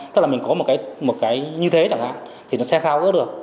tức là mình có một cái như thế chẳng hạn thì nó sẽ khá có được